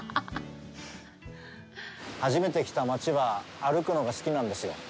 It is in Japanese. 初めて来た町は、歩くのが好きなんですよ。